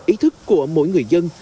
ý thức của mỗi người dân